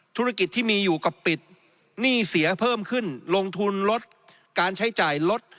ธุรกิจที่มีอยู่กับปิดหนี้เสียเพิ่มขึ้นลงทุนลดการใช้จ่ายลด